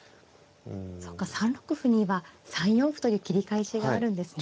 そうか３六歩には３四歩という切り返しがあるんですね。